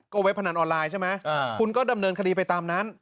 ก็เว็บพนันออนไลน์ใช่ไหมคุณก็ดำเนินคดีไปตามนั้น